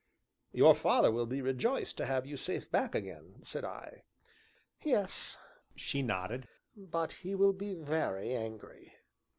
"Your father will be rejoiced to have you safe back again," said I. "Yes," she nodded, "but he will be very angry."